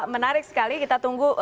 menarik sekali kita tunggu